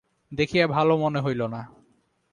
দেখিয়া ভালো মনে হইল না।